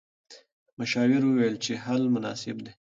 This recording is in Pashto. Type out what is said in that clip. مشاور وویل چې حل مناسب دی.